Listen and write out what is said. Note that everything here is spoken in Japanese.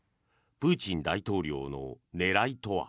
プーチン大統領の狙いとは。